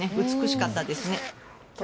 美しかったですね。